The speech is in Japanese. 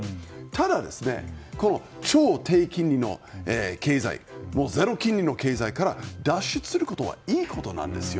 ただ、超低金利の経済ゼロ金利の経済から脱出することはいいことなんですよ。